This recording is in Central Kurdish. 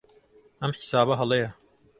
ئەم حیسابە هەڵەیە.